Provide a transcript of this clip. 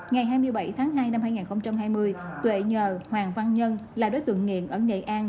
ngày hai mươi bảy tháng hai năm hai nghìn hai mươi tuệ nhờ hoàng văn nhân là đối tượng nghiện ở nghệ an